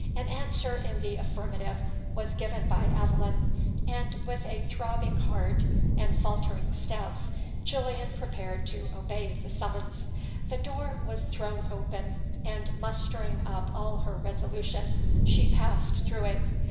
An answer in the affirmative was given by Aveline, and, with a throbbing heart and faltering steps, Gillian prepared to obey the summons. The door was thrown open, and mustering up all her resolution, she passed through it.